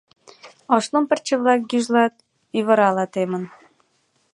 Ош лум пырче-влак гӱжлат, ӱвырала темын.